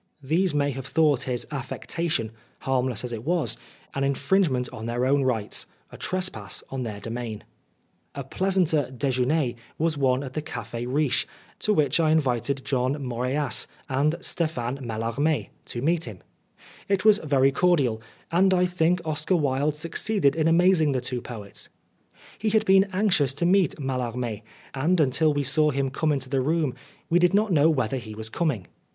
These may have thought his affectation, harmless as it was, an infringement on their own rights a trespass on their domain. A pleasanter dejeuner was one at the Cafe Riche, to which I invited Jean Moreas * I have reprinted this article at the end of this book, no Oscar Wilde and Stephane Mallarme" to meet him. It was very cordial, and I think Oscar Wilde succeeded in amazing the two poets. He had been anxious to meet Mallarme, and until we saw him come into the room we did not know whether he was coming.